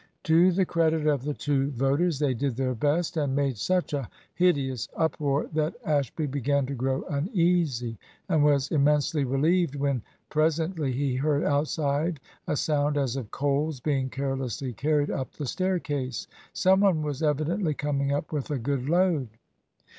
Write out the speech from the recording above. To the credit of the two "voters" they did their best, and made such a hideous uproar that Ashby began to grow uneasy, and was immensely relieved when presently he heard outside a sound as of coals being carelessly carried up the staircase. Some one was evidently coming up with a good load.